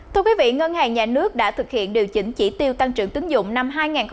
thưa quý vị ngân hàng nhà nước đã thực hiện điều chỉnh chỉ tiêu tăng trưởng tính dụng năm hai nghìn hai mươi ba